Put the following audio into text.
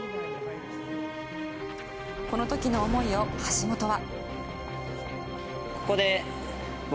この時の思いを橋本は。